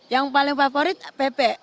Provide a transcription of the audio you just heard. yang paling favorit bebek